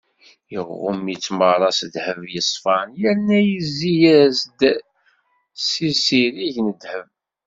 Iɣumm-itt meṛṛa s ddheb yeṣfan yerna yezzi-as-d s izirig n ddheb.